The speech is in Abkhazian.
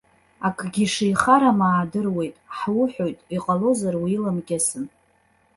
Акгьы шихарам аадыруеит, ҳуҳәоит, иҟалозар уиламкьысын!